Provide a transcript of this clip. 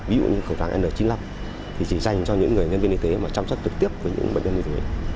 ví dụ như khẩu vàng n chín mươi năm thì chỉ dành cho những người nhân viên y tế mà chăm sóc trực tiếp với những bệnh nhân như thế